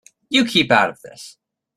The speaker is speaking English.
You keep out of this.